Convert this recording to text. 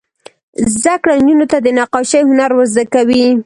زده کړه نجونو ته د نقاشۍ هنر ور زده کوي.